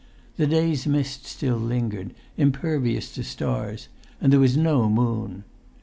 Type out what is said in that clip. The day's mist still lingered, impervious to stars, and there was no moon.